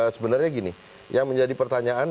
sebenarnya gini yang menjadi pertanyaan